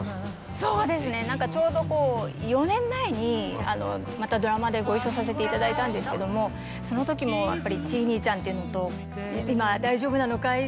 そうですね何かちょうどこう４年前にまたドラマでご一緒させていただいたんですけどもその時もやっぱりチイ兄ちゃんっていうのと。